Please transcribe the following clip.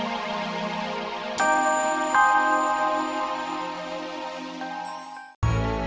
pengab sapp nou